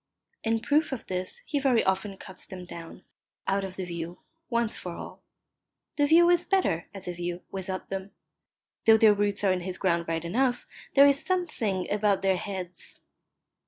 In proof of this he very often cuts them down, out of the view, once for all. The view is better, as a view, without them. Though their roots are in his ground right enough, there is a something about their heads